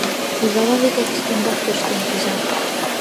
Ужава вигак ӱстембак тӧрштен кӱза.